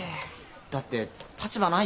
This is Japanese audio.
だって立場ない